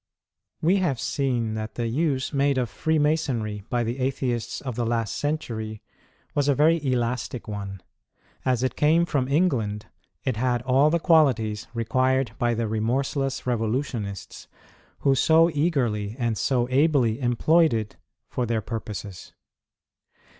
We have seen that the use made of Freemasonry by the Atheists of the last century was a very elastic one. As it came from England it had all the qualities required by the remorseless revolutionists, who so eagerly and so ably employed it for their KINDRED SECRET SOCIETIES IN EUROPE. 57 purposes.